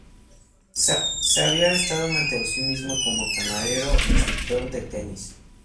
Se había estado manteniendo por sí mismo como camarero e instructor de tenis.